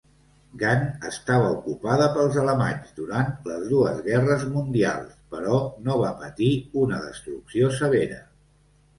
Gant estava ocupada pels alemanys durant les dues Guerres Mundials, però no va patir una destrucció severa.